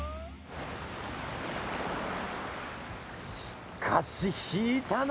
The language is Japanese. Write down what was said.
しかし引いたな。